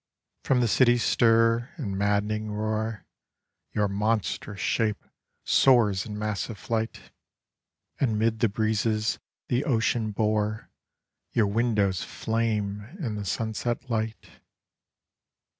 Proa the city's stir and madd'nin.s roar Your monstrous shape soars in massive flight. And 'mid the breezes the ocean bore Your windows flume In the sunset light.